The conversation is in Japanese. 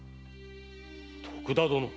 徳田殿。